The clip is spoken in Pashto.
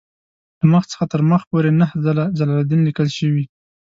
له مخ څخه تر مخ پورې نهه ځله جلالدین لیکل شوی.